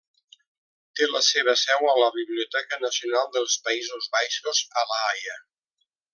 Té la seva seu a la Biblioteca Nacional dels Països Baixos, a La Haia.